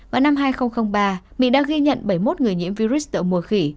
vào năm hai nghìn ba mỹ đã ghi nhận bảy mươi một người nhiễm virus mùa khỉ